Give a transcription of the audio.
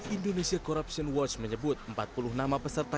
indonesia corruption watch menyebut empat puluh nama peserta